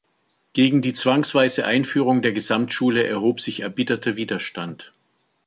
Gegen die zwangsweise Einführung der Gesamtschule erhob sich erbitterter Widerstand.